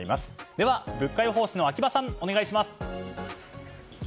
では物価予報士の秋葉さんお願いします。